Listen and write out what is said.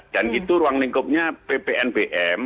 dan itu ruang lingkupnya ppn pm